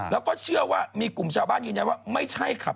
แล้วก็เชื่อว่ามีกลุ่มชาวบ้านยินยันว่า